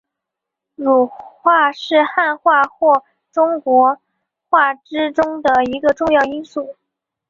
儒化是汉化或中国化之中的一个重要因素。